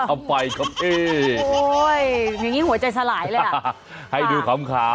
เดี๋ยวนี้มีดีกว่า